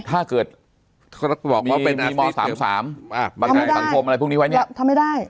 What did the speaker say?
ถ้าเกิดบอกว่าเป็นอาชีพเสริมคุณทำไมได้